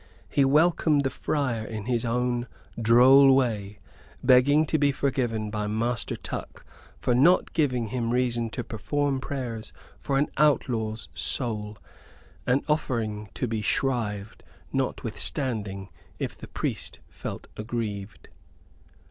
He welcomed the friar in his own droll way, begging to be forgiven by Master Tuck for not giving him reason to perform prayers for an outlaw's soul, and offering to be shrived, notwithstanding, if the priest felt aggrieved.